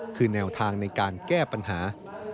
คือแนวทางในการแก้ปัญหา